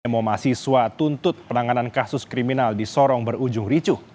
emosi siswa tuntut penanganan kasus kriminal di sorong berujung ricuh